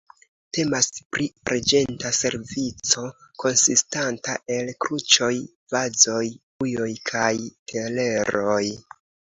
Temas pri arĝenta servico konsistanta el kruĉoj, vazoj, ujoj kaj teleroj.